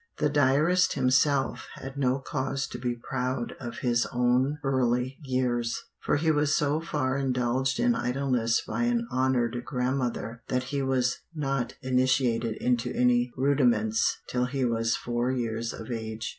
The diarist himself had no cause to be proud of his own early years, for he was so far indulged in idleness by an "honoured grandmother" that he was "not initiated into any rudiments" till he was four years of age.